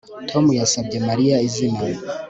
Tom yasabye Mariya izina